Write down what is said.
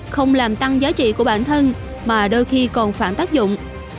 không làm tăng giá trị của bản thân mà đôi khi còn phản tác dụng